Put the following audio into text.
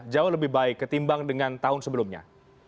jauh lebih baik ketimbang dengan tahun sebelumnya